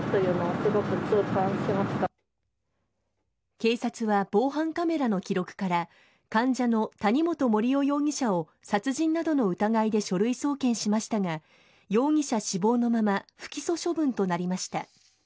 警察は防犯カメラの記録から患者の谷本盛雄容疑者を殺人などの疑いで書類送検しましたが容疑者死亡のまま不起訴処分となりました。